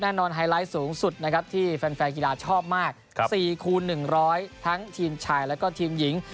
แน่นอนไฮไลท์สูงสุดนะครับที่แฟนแฟนกีฬาชอบมากครับสี่คูณหนึ่งร้อยทั้งทีมชายแล้วก็ทีมหญิง